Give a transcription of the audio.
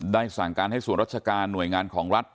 สั่งการให้ส่วนราชการหน่วยงานของรัฐ